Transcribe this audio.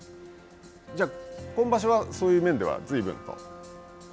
じゃあ、今場所はそういう面ではずいぶんと？